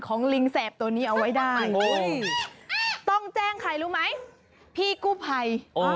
ของลิงแสบตัวนี้เอาไว้ได้